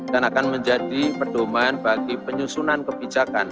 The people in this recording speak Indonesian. dan akan menjadi perdomaan bagi penyusunan kebijakan